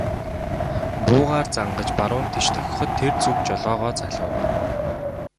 Буугаар зангаж баруун тийш дохиход тэр зүг жолоогоо залав.